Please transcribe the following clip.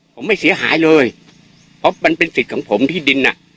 ผมไม่เสียหายเลยเพราะมันเป็นสิทธิ์ของผมที่ดินอ่ะ